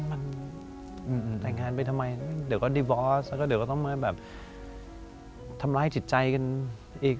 อะตั๊ยงานไปทำไมเดี๋ยวก็เดี๊วอสภาคเอาก็เดี๋ยวก็ต้องมาทำร้ายจิตใจกันอีก